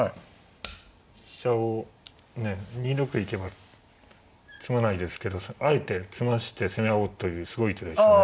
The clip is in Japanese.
飛車を２六行けば詰まないですけどあえて詰まして攻め合おうというすごい手でしたね。